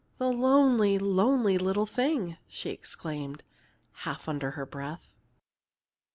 "The lonely, lonely little thing!" she exclaimed, half under her breath.